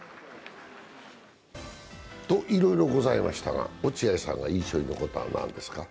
いろいろございましたが、落合さんは印象に残ったのは何ですか？